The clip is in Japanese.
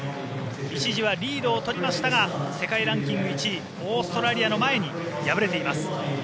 一時はリードを取りましたが世界ランキング１位オーストラリアの前に敗れています。